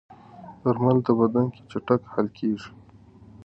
درمل د بدن کې چټک حل کېږي.